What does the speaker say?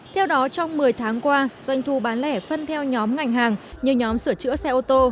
theo đó trong một mươi tháng qua doanh thu bán lẻ phân theo nhóm ngành hàng như nhóm sửa chữa xe ô tô